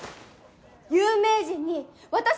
有名人に私なる！